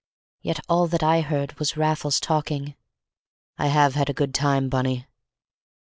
Yet all that I heard was Raffles talking. "I have had a good time, Bunny."